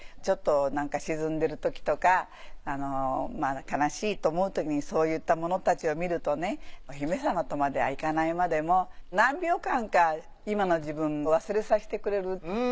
ちょっとなんか沈んでるときとか悲しいと思うときにそういったものたちを見るとお姫様とまではいかないまでも何秒間か今の自分を忘れさせてくれる。